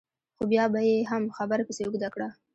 خو بیا به یې هم خبره پسې اوږده کړه.